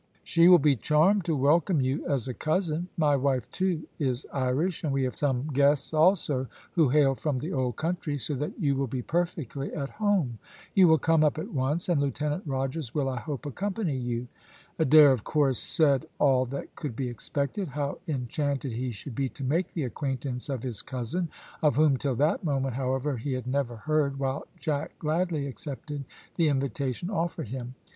She will be charmed to welcome you as a cousin. My wife, too, is Irish, and we have some guests also who hail from the old country, so that you will be perfectly at home. You will come up at once, and Lieutenant Rogers will, I hope, accompany you." Adair, of course, said all that could be expected; how enchanted he should be to make the acquaintance of his cousin, of whom, till that moment, however, he had never heard, while Jack gladly accepted the invitation offered him.